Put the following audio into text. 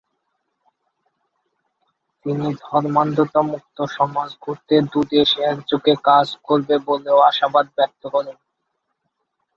তিনি ধর্মান্ধতামুক্ত সমাজ গড়তে দুদেশ একযোগে কাজ করবে বলেও আশাবাদ ব্যক্ত করেন।